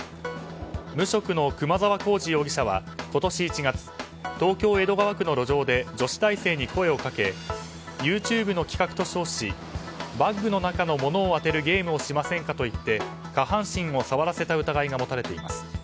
無職の熊沢弘次容疑者は今年１月東京・江戸川区の路上で女子大生に声をかけＹｏｕＴｕｂｅの企画と称しバッグの中のものを当てるゲームをしませんかと言って下半身を触らせた疑いが持たれています。